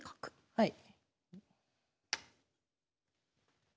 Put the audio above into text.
はい。